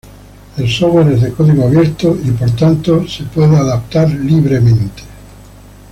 El software es de código abierto y puede ser libremente adaptado.